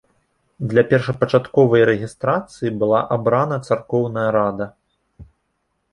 Для першапачатковай рэгістрацыі была абрана царкоўная рада.